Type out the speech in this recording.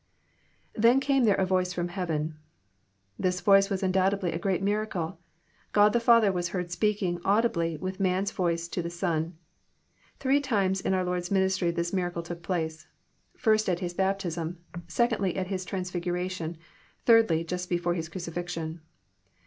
IThen came there a voice from heaven.'] This voice was un doubtedly a great miracle. God the Father was heard speaking audibly with man's voice to the Son. Three t'mes in our Lord's ministry this miracle took place : first, at His baptism ; secondly, at His transfiguration; thirdly, just before His crucifixion.